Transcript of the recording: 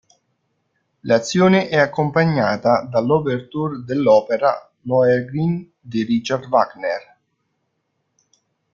L'azione è accompagnata dall'ouverture dell'opera "Lohengrin" di Richard Wagner.